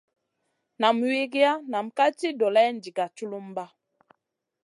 Nam wigiya nam kam ci doleyna diga culumba.